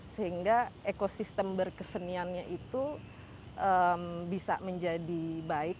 sehingga ekosistem berkeseniannya itu bisa menjadi baik